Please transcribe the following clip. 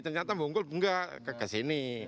ternyata bungkul enggak ke sini